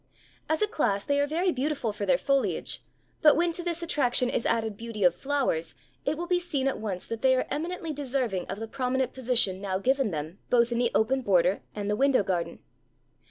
As a class they are very beautiful for their foliage, but when to this attraction is added beauty of flowers, it will be seen at once that they are eminently deserving of the prominent position now given them both in the open border and the window garden.